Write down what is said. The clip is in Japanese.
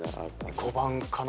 ５番かな。